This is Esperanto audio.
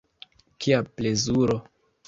Kia plezuro.